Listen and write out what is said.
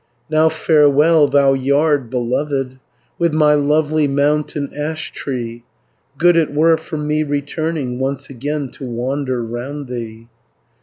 450 "Now farewell, thou yard beloved, With my lovely mountain ashtree; Good it were for me returning, Once again to wander round thee.